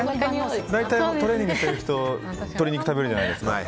大体、トレーニングしてる人鶏肉食べるじゃないですか。